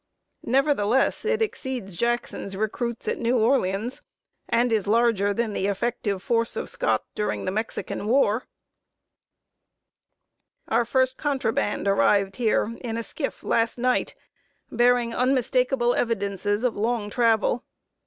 Nevertheless, it exceeds Jackson's recruits at New Orleans, and is larger than the effective force of Scott during the Mexican war. [Sidenote: A "RUNNIN' NIGGER!"] Our first contraband arrived here in a skiff last night, bearing unmistakable evidences of long travel.